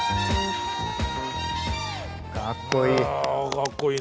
かっこいい。